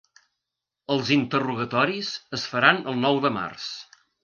Els interrogatoris es faran el nou de març.